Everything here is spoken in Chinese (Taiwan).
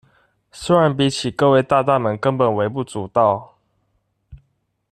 雖然比起各位大大們根本微不足道